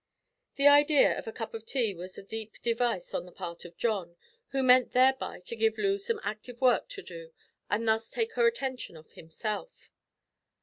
The idea of a cup of tea was a deep device on the part of John, who meant thereby to give Loo some active work to do and thus take her attention off himself.